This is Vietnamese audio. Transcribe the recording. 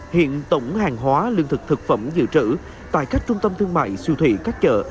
hiện tổng hàng hóa lương thực thực phẩm dự trữ tại các trung tâm thương mại siêu thị các chợ